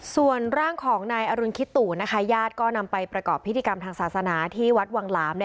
ส่วนร่างของนายอรุณคิตุนะคะญาติก็นำไปประกอบพิธีกรรมทางศาสนาที่วัดวังหลาม